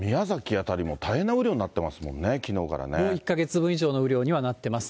辺りも大変な雨量になってますもんね、きのうか１か月分以上の雨量にはなってます。